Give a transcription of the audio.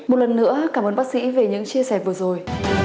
một lần nữa cảm ơn bác sĩ về những chia sẻ vừa rồi